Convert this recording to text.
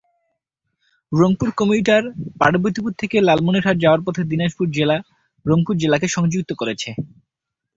Rangpur commuter Parbatipur থেকে লালমনিরহাট যাওয়ার পথে দিনাজপুর জেলা, রংপুর জেলাকে সংযুক্ত করেছে।